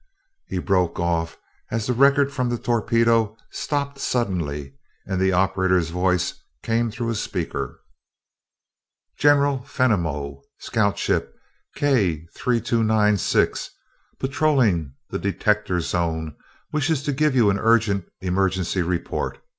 He broke off as the record from the torpedo stopped suddenly and the operator's voice came through a speaker. "General Fenimol! Scoutship K3296, patrolling the detector zone, wishes to give you an urgent emergency report.